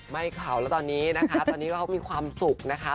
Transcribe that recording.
ไม่เผาแล้วตอนนี้นะคะตอนนี้ก็เขามีความสุขนะคะ